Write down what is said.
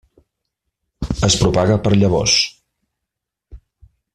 Es propaga per llavors.